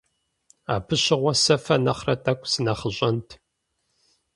Абы щыгъуэ сэ фэ нэхърэ тӀэкӀу сынэхъыщӀэнт.